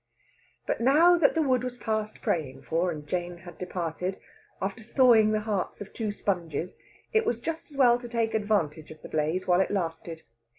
But now that the wood was past praying for, and Jane had departed, after thawing the hearts of two sponges, it was just as well to take advantage of the blaze while it lasted.